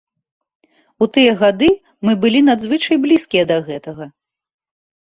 У тыя гады мы былі надзвычай блізкія да гэтага.